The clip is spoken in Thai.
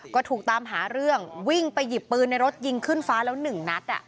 ก็ถูกตามหาเรื่องวิ่งไปหยิบปืนในรถยิงขึ้นฟ้าแล้วหนึ่งนัด